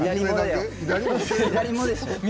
左もでしょ！